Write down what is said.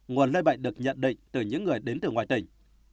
nguồn lây bệnh được nhận định từ những người đến từ ngoài tỉnh